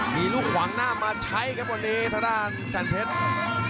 มีลูกขวางหน้ามาใช้ครับวันนี้ทางด้านแสนเพชร